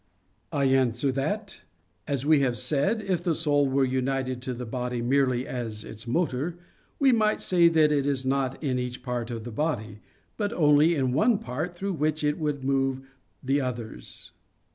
I answer that, As we have said, if the soul were united to the body merely as its motor, we might say that it is not in each part of the body, but only in one part through which it would move the others.